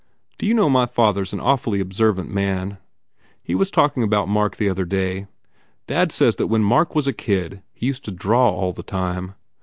D you know my father s an awfully observant man. He was talking about Mark the other day. Dad says that when Mark was a kid he used to draw all the time.